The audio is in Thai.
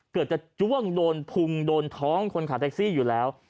เกือบจะจ้วงโดนพุงโดนท้องคนขับแท็กซี่อยู่แล้ว